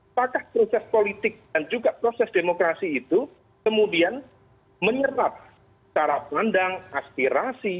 apakah proses politik dan juga proses demokrasi itu kemudian menyerap cara pandang aspirasi